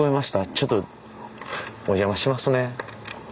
ちょっとお邪魔しますね。